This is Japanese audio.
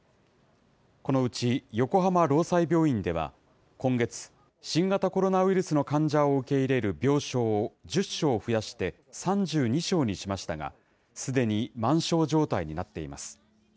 このうち横浜労災病院では、今月、新型コロナウイルスの患者を受け入れる病床を１０床増やして３２床にしましたが、すでに満床状態になっています。